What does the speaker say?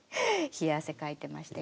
冷や汗かいてましたよ。